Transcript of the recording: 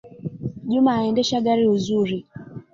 Juma aendesa gari uzuri